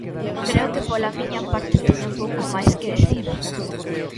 Creo que pola miña parte teño pouco máis que dicir.